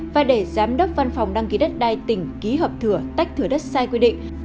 và để giám đốc văn phòng đăng ký đất đai tỉnh ký hợp thửa tách thửa đất sai quy định